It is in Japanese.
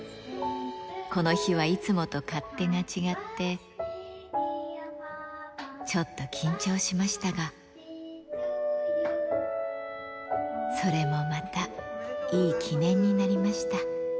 この日はいつもと勝手が違って、ちょっと緊張しましたが、それもまたいい記念になりました。